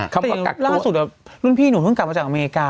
ล่าสุดรุ่นพี่หนูเพิ่งกลับมาจากอเมริกา